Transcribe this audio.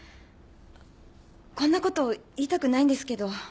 こんなこと言いたくないんですけど。